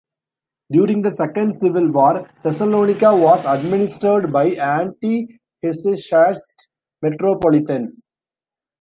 During the second civil war Thessalonica was administered by anti-Hesychast metropolitans.